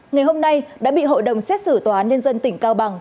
ngày hôm nay đã bị hội đồng xét xử tòa án nhân dân tỉnh cao bằng